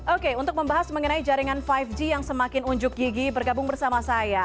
oke untuk membahas mengenai jaringan lima g yang semakin unjuk gigi bergabung bersama saya